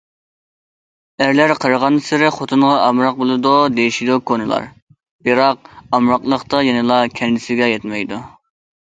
ئەرلەر قېرىغانسېرى خوتۇنغا ئامراق بولىدۇ دېيىشىدۇ كونىلار، بىراق، ئامراقلىقتا يەنىلا كەنجىسىگە يەتمەيدۇ.